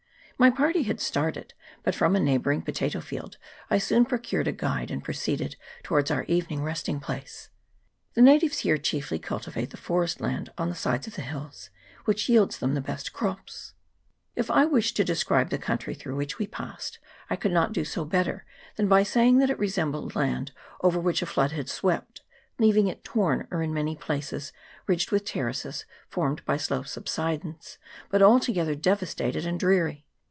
My party had started ; but from a neighbouring potato field I soon procured a guide, and proceeded towards our evening resting place. The natives here chiefly cultivate the forest land on 330 FEATURES OF THE COUNTRY. [PART II. the sides of the hills, which yields them the best crops. If I wished to describe the country through which we passed, I could not do so better than by saying that it resembled land over which a flood had swept, leaving it torn, or in many places ridged with terraces formed by slow subsidence, but alto gether devastated and dreary.